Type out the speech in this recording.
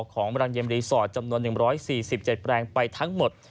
ของรังเย็นรีสอร์ทจำนวน๑๔๗แปลงไปทั้งหมด